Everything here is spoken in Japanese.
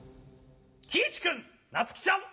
きいちくんなつきちゃん！